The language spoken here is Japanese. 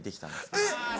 えっ！